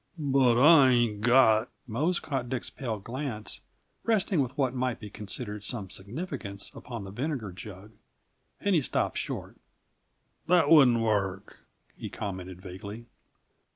"But I ain't got " Mose caught Dick's pale glance resting with what might be considered some significance upon the vinegar jug, and he stopped short. "That wouldn't work," he commented vaguely.